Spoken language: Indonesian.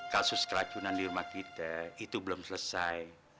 kasus keracunan di rumah kita itu belum selesai